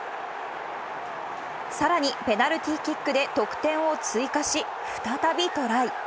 さらに、ペナルティキックで得点を追加し、再びトライ。